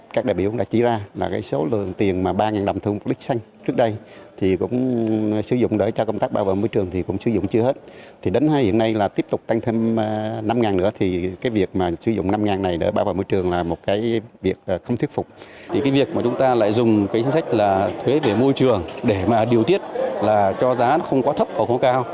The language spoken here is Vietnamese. chúng ta lại dùng cái sách là thuế về môi trường để mà điều tiết là cho giá không có thấp hoặc có cao